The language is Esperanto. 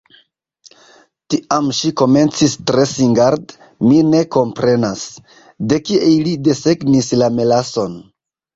Tiam ŝi komencis tre singarde: "Mi ne komprenas. De kie ili desegnis la melason?"